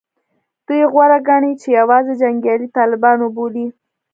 دوی غوره ګڼي چې یوازې جنګیالي طالبان وبولي